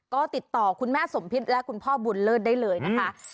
ก็ติดต่อคุณแม่สมพิษและคุณพ่อบุญเลิศได้เลยนะคะ